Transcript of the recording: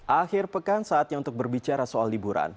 akhir pekan saatnya untuk berbicara soal liburan